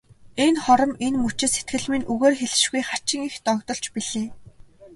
Энэ хором, энэ мөчид сэтгэл минь үгээр хэлшгүй хачин их догдолж билээ.